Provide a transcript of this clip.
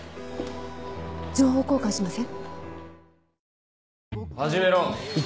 情報交換しません？